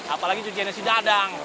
apalagi cuciannya si dadang